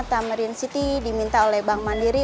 kami dari hypermata marine city diminta oleh bank mandiri